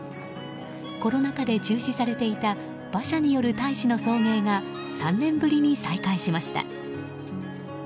コロナ禍で中止されていた馬車による大使の送迎が３年ぶりに再開しました。